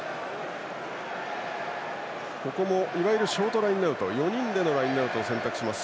ここもショートラインアウト４人でのラインアウトを選択。